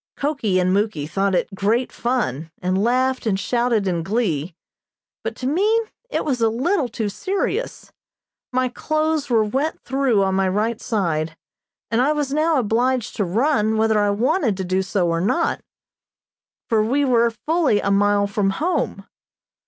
Koki and Muky thought it great fun, and laughed and shouted in glee, but to me it was a little too serious. My clothes were wet through on my right side, and I was now obliged to run whether I wanted to do so or not, for we were fully a mile from home.